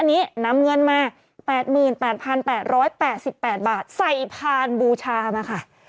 นี้นำเงินมา๘๘๘๘๘บาทใส่ผ่านบูชามาค่ะ